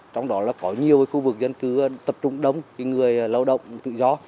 trong đó có nhiều khu vực dân cứ tập trung đông người lâu động tự do